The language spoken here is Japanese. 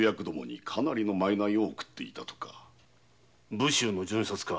武州の巡察か。